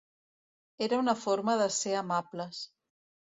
Era una forma de ser amables.